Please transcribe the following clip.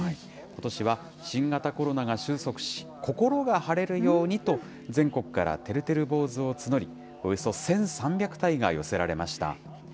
ことしは新型コロナが終息し、心が晴れるようにと、全国からてるてる坊主を募り、およそ１３００体が寄せられました。